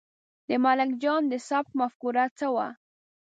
د ملنګ جان د سبک مفکوره څه وه؟